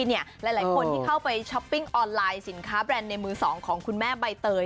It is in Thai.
หลายคนที่เข้าไปช้อปปิ้งออนไลน์สินค้าแบรนด์ในมือ๒ของคุณแม่ใบเตย